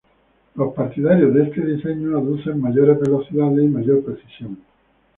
Los partidarios de este diseño aducen mayores velocidades y mayor precisión.